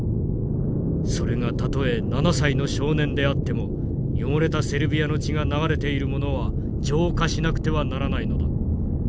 それがたとえ７歳の少年であっても汚れたセルビアの血が流れている者は浄化しなくてはならないのだ」。